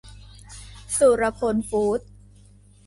สุรพลฟู้ดส์